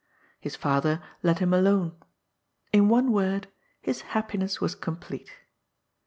His father let him alone. In one word^ his happiness was complete.